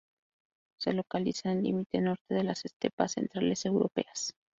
Se localiza en el límite norte de las estepas centrales europeas.